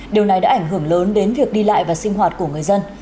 điều này đã ảnh hưởng lớn đến việc đi lại và sinh hoạt của người dân